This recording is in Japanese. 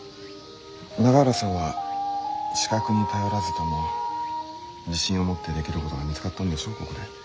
永浦さんは資格に頼らずとも自信を持ってできることが見つかったんでしょうここで。